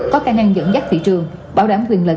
có khả năng dẫn dắt thị trường bảo đảm quyền lợi